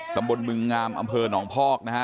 กระหมดบึงงามอำเพอร์นองพอกนะฮะ